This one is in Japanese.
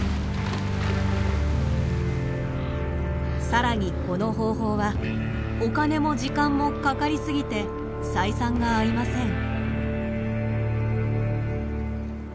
さらにこの方法はお金も時間もかかりすぎて採算が合いません。